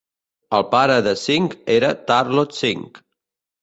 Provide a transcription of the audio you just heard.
El pare de Singh era Tarlok Singh.